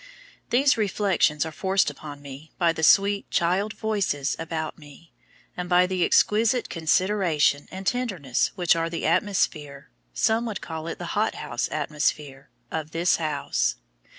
These reflections are forced upon me by the sweet child voices about me, and by the exquisite consideration and tenderness which are the atmosphere (some would call it the hothouse atmosphere) of this house.